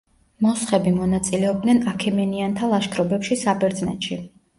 მოსხები მონაწილეობდნენ აქემენიანთა ლაშქრობებში საბერძნეთში.